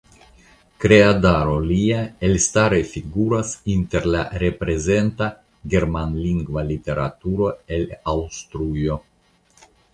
Kreadaro lia elstare figuras inter la reprezenta germanlingva literaturo el Aŭstrujo.